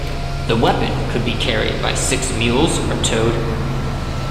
The weapon could be carried by six mules or towed.